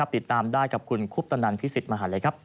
ติดตามได้กับคุณคุบตนรพิศิษฐ์มหาลัย